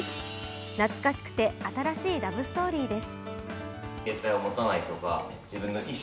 懐かしくて新しいラブストーリーです。